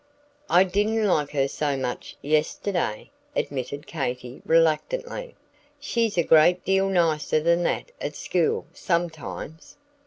"I didn't like her so much, yesterday," admitted Katy, reluctantly. "She's a great deal nicer than that at school, sometimes."